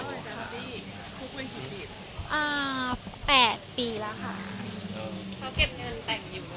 คุกกับทริป